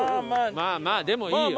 まあまあでもいいよ。